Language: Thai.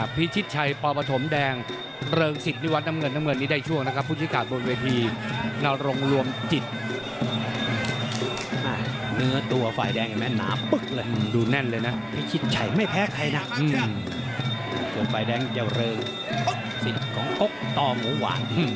วิชิทชัยละวะระวังกระจัดสุวะ